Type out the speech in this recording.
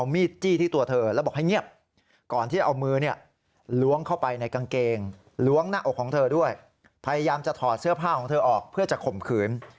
พยายามจะถอดเสื้อผ้าของเธอออกเพื่อจะข่มขืน